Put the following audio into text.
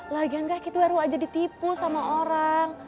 lagi enggak kita baru aja ditipu sama orang